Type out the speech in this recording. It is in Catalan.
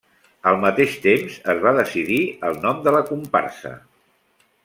Al mateix temps, es va decidir el nom de la comparsa.